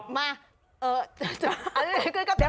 เดี๋ยวค่อยก็ตอบ